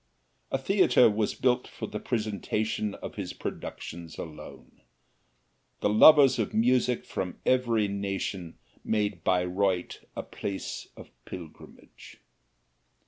A theater was built for the presentation of his productions alone; the lovers of music from every nation made Bayreuth a place of pilgrimage.